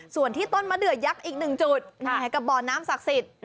ส่วนที่ต้นมะเดือยักษ์อีกหนึ่งจุดกับบ่อน้ำศักดิ์สิทธิ์